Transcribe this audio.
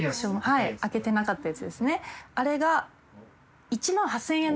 開けてなかったやつですね。